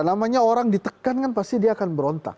namanya orang ditekan kan pasti dia akan berontak